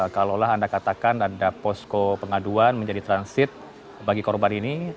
kalaulah anda katakan ada posko pengaduan menjadi transit bagi korban ini